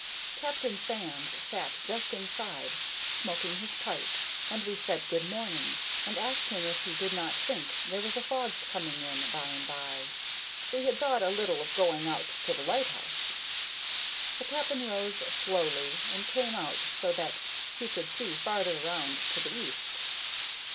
Captain Sands sat just inside, smoking his pipe, and we said good morning, and asked him if he did not think there was a fog coming in by and by. We had thought a little of going out to the lighthouse. The cap'n rose slowly, and came out so that he could see farther round to the east.